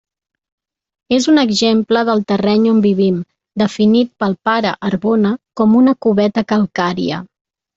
És un exemple del terreny on vivim, definit pel pare Arbona com una cubeta calcària.